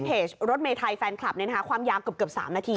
เพจรถเมย์ไทยแฟนคลับเนี้ยนะฮะความยามเกือบเกือบสามนาที